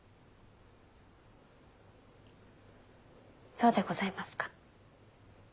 そうでございますか。